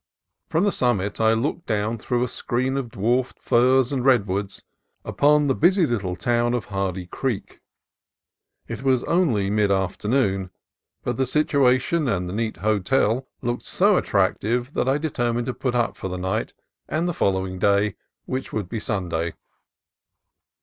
From the summit I looked down through a screen of dwarfed firs and redwoods upon the busy little town of Hardy Creek. It was only mid afternoon, but the situation and the neat hotel looked so attractive that I determined to put up for the night and the fol lowing day, which would be Sunday.